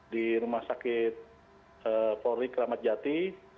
di rumah sakit polri kramatjati